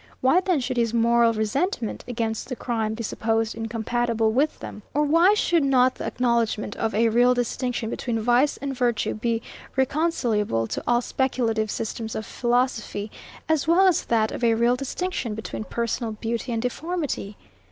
Why then should his moral resentment against the crime be supposed incompatible with them? Or why should not the acknowledgment of a real distinction between vice and virtue be reconcileable to all speculative systems of philosophy, as well as that of a real distinction between personal beauty and deformity?